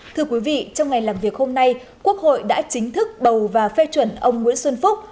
thưa quý vị trong ngày làm việc hôm nay quốc hội đã chính thức bầu và phê chuẩn ông nguyễn xuân phúc